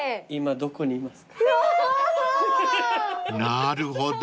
［なるほど。